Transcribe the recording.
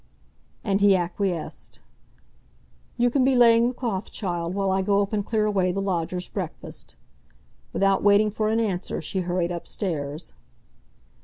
And he acquiesced. "You can be laying the cloth, child, while I go up and clear away the lodger's breakfast." Without waiting for an answer, she hurried upstairs.